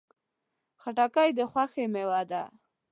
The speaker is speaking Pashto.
خټکی د خوښۍ میوه ده.